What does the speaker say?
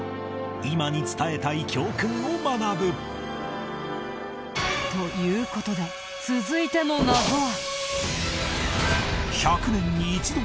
今に伝えたい教訓を学ぶという事で続いての謎は。